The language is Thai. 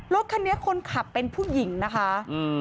รถคันนี้คนขับเป็นผู้หญิงนะคะอืม